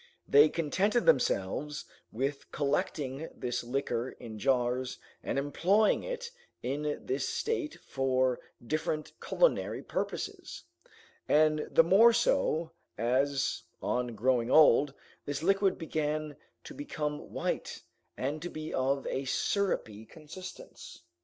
They contented themselves with collecting this liquor in jars and employing it in this state for different culinary purposes, and the more so, as on growing old, this liquid began to become white and to be of a syrupy consistence.